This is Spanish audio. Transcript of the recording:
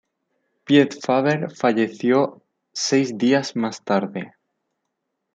Piet Faber falleció seis días más tarde.